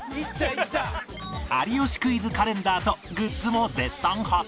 有吉クイズカレンダーとグッズも絶賛発売中